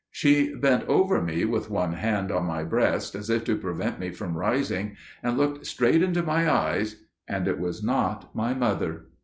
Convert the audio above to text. She bent over me, with one hand on my breast as if to prevent me from rising, and looked straight into my eyes; and it was not my mother.